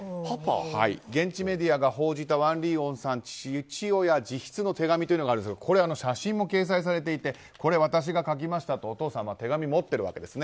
現地メディアが報じたワン・リーホンさんの父親の自筆の手紙があるんですが写真も掲載されていてこれ、私が書きましたとお父さんが手紙を持っているわけですね。